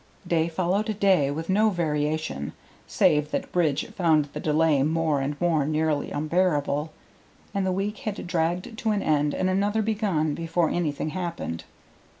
Day followed day with no variation save that Bridge found the delay more and more nearly unbearable, and the week had dragged to an end and another begun before anything happened.